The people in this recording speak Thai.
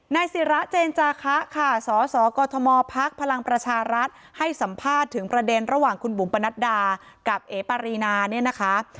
ศิระเจนจาคะค่ะสสกมพักพลังประชารัฐให้สัมภาษณ์ถึงประเด็นระหว่างคุณบุ๋มปนัดดากับเอ๋ปารีนาเนี่ยนะคะ